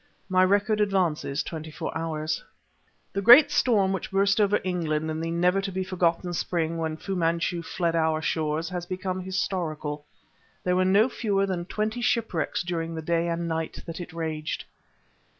My record advances twenty four hours. The great storm which burst over England in the never to be forgotten spring when Fu Manchu fled our shores has become historical. There were no fewer than twenty shipwrecks during the day and night that it raged.